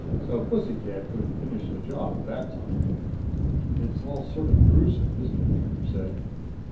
So pussy cat couldn't finish the job that time." "It's all sort of gruesome, isn't it?" Trigger said.